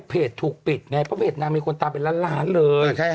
เพจถูกปิดไงเพราะเพจนางมีคนตามเป็นล้านล้านเลย